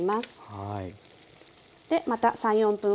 はい。